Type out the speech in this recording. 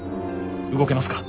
動けますか？